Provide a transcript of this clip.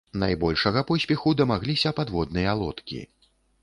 Найбольшага поспеху дамагліся падводныя лодкі.